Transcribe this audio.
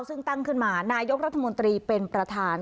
ซึ่งตั้งขึ้นมานายกรัฐมนตรีเป็นประธาน